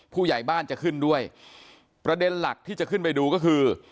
ผู้ใหญ่บ้านจะขึ้นด้วยประเด็นหลักที่จะขึ้นไปดูก็คือ